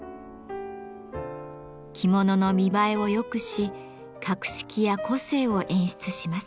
着物の見栄えを良くし格式や個性を演出します。